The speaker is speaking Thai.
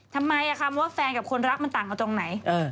ทำไมล่ะคำว่าแฟนกับคนรักต่างตรงไหน